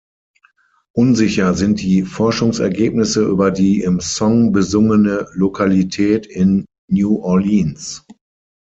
Unsicher sind die Forschungsergebnisse über die im Song besungene Lokalität in New Orleans.